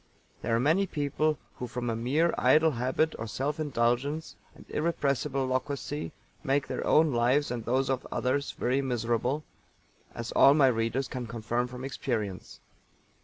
There are many people who from a mere idle habit or self indulgence and irrepressible loquacity make their own lives and those of others very miserable as all my readers can confirm from experience.